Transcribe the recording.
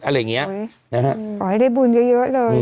ขอให้ได้บุญเยอะเลย